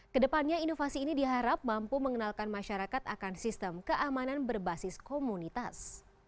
kedepannya inovasi ini diharap mampu mengenalkan masyarakat akan sistem keamanan berbasis komunitas